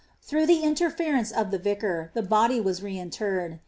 Through the interference of the vicar, the body wu le* mterred.